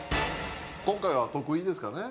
今回は徳井ですかね。